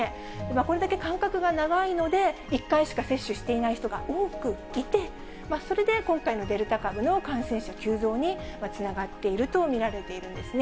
これだけ間隔が長いので、１回しか接種していない人が多くいて、それで今回のデルタ株の感染者急増につながっていると見られているんですね。